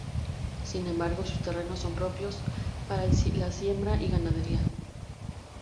Sin embargo, sus terrenos son propicios para la siembra y ganadería.